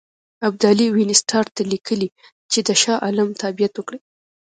ابدالي وینسیټارټ ته لیکلي چې د شاه عالم تابعیت وکړي.